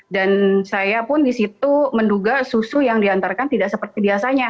dan saya pun di situ menduga susu yang diantarkan tidak seperti biasanya gitu